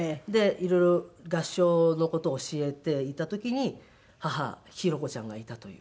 いろいろ合唱の事教えていた時に母廣子ちゃんがいたという。